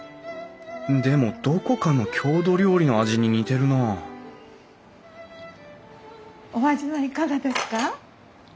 でもどこかの郷土料理の味に似てるなあお味はいかがですか？